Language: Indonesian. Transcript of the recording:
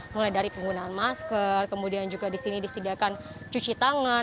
mulai dari penggunaan masker kemudian juga di sini disediakan cuci tangan